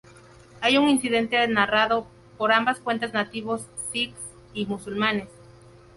Hay un incidente narrado por ambas cuentas nativos sijs y musulmanes.